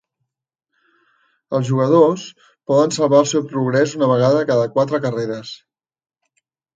Els jugadors poden salvar el seu progrés una vegada cada quatre carreres.